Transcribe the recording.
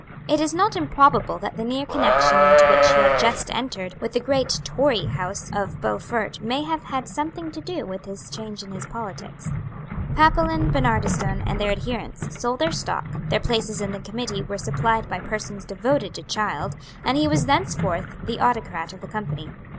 It is not improbable that the near connection into which he had just entered with the great Tory house of Beaufort may have had something to do with this change in his politics. Papillon, Barnardistone, and their adherents, sold their stock; their places in the committee were supplied by persons devoted to Child; and he was thenceforth the autocrat of the Company.